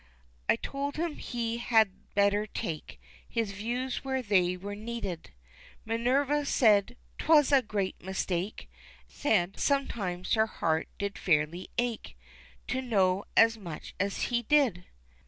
I told him he had better take His views where they were needed, Minerva said 'twas a great mistake, Said sometimes her heart did fairly ache To know as much as he did.